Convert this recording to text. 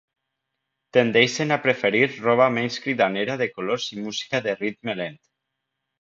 Tendeixen a preferir roba menys cridanera de colors i música de ritme lent.